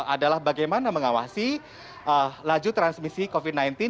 adalah bagaimana mengawasi laju transmisi covid sembilan belas